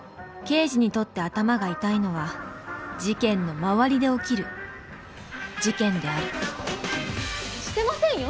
刑事にとって頭が痛いのは事件の周りで起きる事件であるしてませんよ